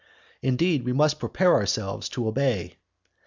Indeed, we must prepare ourselves to obey."